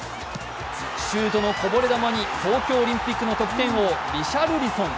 シュートのこぼれ球に東京オリンピックの得点王、リシャルリソン。